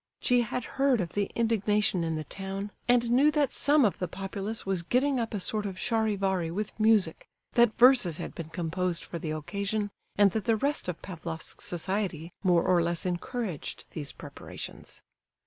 She had heard of the indignation in the town, and knew that some of the populace was getting up a sort of charivari with music, that verses had been composed for the occasion, and that the rest of Pavlofsk society more or less encouraged these preparations.